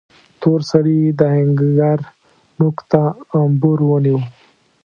تور سړي د آهنګر نوک ته امبور ونيو.